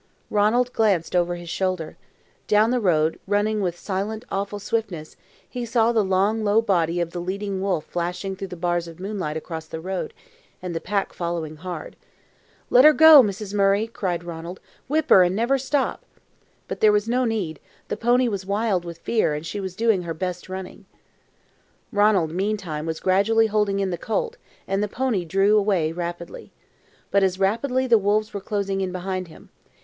Ranald glanced over his shoulder. Down the road, running with silent, awful swiftness, he saw the long, low body of the leading wolf flashing through the bars of moonlight across the road, and the pack following hard. "Let her go, Mrs. Murray," cried Ranald. "Whip her and never stop." But there was no need; the pony was wild with fear, and was doing her best running. Ranald meantime was gradually holding in the colt, and the pony drew away rapidly. But as rapidly the wolves were closing in behind him.